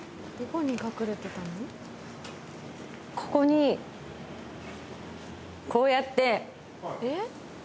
ここにこうやって。